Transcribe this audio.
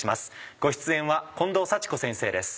ご出演は近藤幸子先生です。